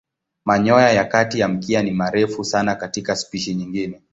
Manyoya ya kati ya mkia ni marefu sana katika spishi nyingine.